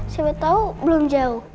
siapa tahu belum jauh